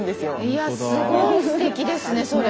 いやすごいステキですねそれ。